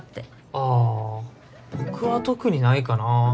あ僕は特にないかな。